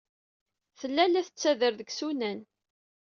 Tella la tettader deg yisunan.